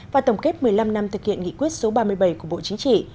và tổng kết một mươi năm năm thực hiện nghị quyết số ba mươi bảy của bộ chính trị